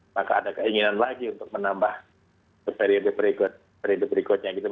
maka ada keinginan lagi untuk menambah periode berikutnya gitu